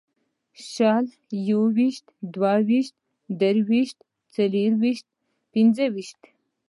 شل یوویشت دوهویشت درویشت څلېرویشت پنځهویشت